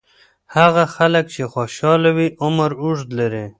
هغه خلک چې خوشاله وي، عمر اوږد لري.